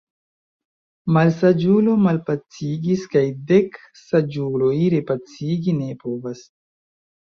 Malsaĝulo malpacigis kaj dek saĝuloj repacigi ne povas.